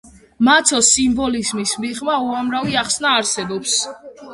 მაცოს სიმბოლიზმის მიღმა უამრავი ახსნა არსებობს.